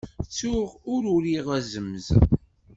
Ttuɣ ur uriɣ azemz?